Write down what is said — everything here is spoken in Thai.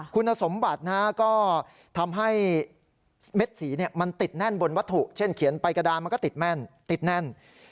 คุณสมบัติก็ทำให้เม็ดสีมันติดแน่นบนวัตถุเช่นเขียนไปกระดานมันก็ติดแม่นติดแน่น